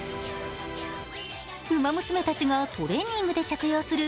ウマ娘たちがトレーニングで着用する